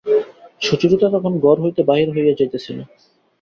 সুচরিতা তখন ঘর হইতে বাহির হইয়া যাইতেছিল।